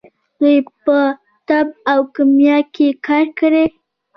دوی په طب او کیمیا کې کار کړی.